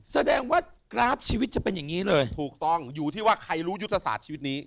แสดงว่ากราฟชีวิตจะเป็นอย่างนี้เลยถูกต้องอยู่ที่ว่าใครรู้ยุทธศาสตร์ชีวิตนี้